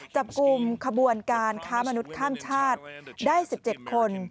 จับกลุ่มขบวนการค้ามนุษย์ข้ามชาติได้๑๗คน